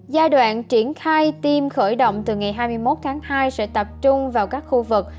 giai đoạn triển khai tiêm khởi động từ ngày hai mươi một tháng hai sẽ tập trung vào các khu vực